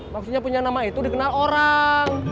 maksudnya punya nama itu dikenal orang